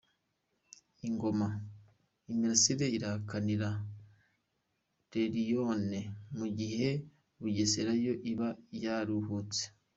I Ngoma, Imirasire irahakinira na Les Lionnes mu gihe Bugesera yo iba yaruhutse.